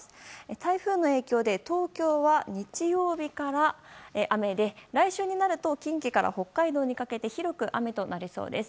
台風の影響で東京は日曜日から雨で来週になると近畿から北海道にかけて広く雨となりそうです。